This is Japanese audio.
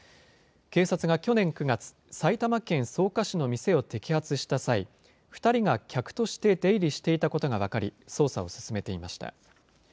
警察が去年９月、埼玉県草加市の店を摘発した際、２人が客として出入りしていたことが分かり、捜査を進めていました。